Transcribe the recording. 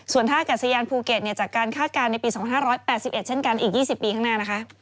ส่วนท่ากัดสยานภูเก็ตจากการคาดการณ์ในปี๒๕๘๑เช่นกันอีก๒๐ปีข้างหน้านะคะ